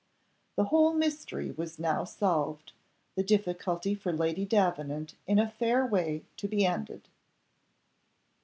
The whole mystery was now solved, the difficulty for Lady Davenant in a fair way to be ended.